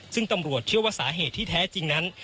ซึ่งตำรวจเชื่อว่าสาเหตุที่แท้จริงนั้น